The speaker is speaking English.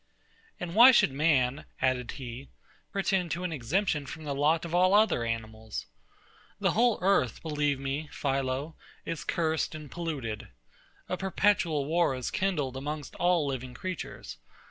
And why should man, added he, pretend to an exemption from the lot of all other animals? The whole earth, believe me, PHILO, is cursed and polluted. A perpetual war is kindled amongst all living creatures.